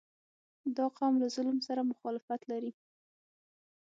• دا قوم له ظلم سره مخالفت لري.